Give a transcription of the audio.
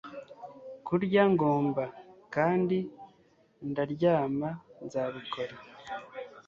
Kurya ngomba kandi ndaryama nzabikora